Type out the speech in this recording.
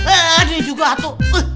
aduh ini juga hatu